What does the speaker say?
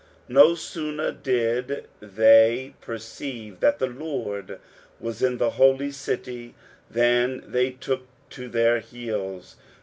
No sooner did they perceive that the Lord was in the Holy City, than thej took to their heels.